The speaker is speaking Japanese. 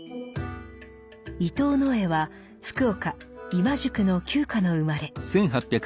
伊藤野枝は福岡・今宿の旧家の生まれ。